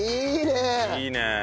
いいねえ！